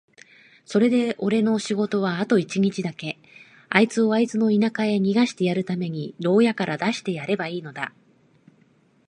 それでおれの仕事はあと一日だけ、あいつをあいつの田舎へ逃してやるために牢屋から出してやればいいのだ。